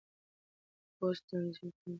د پوځ نظم يې ټينګ کړ.